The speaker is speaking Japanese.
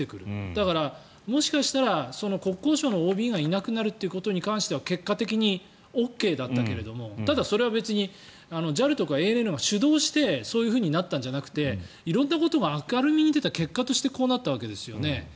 だから、もしかしたら国交省のＯＢがいなくなるということに関しては結果的にＯＫだったけれどもただ、それは別にＪＡＬとかＡＮＡが主導してそうなったんじゃなくて色んなことが明るみに出た結果としてこうなったわけですよね。